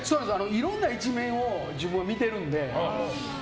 いろんな一面を自分、見ているんで。